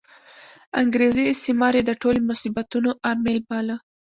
انګریزي استعمار یې د ټولو مصیبتونو عامل باله.